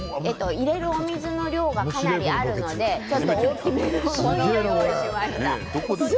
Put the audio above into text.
入れるお水の量がかなりありますので大きめなものを用意しました。